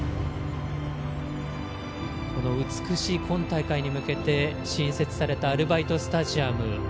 美しい、今大会に向けて新設されたアルバイトスタジアム。